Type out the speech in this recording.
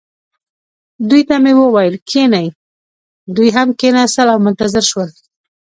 دوی ته مې وویل: کښینئ. دوی هم کښېنستل او منتظر شول.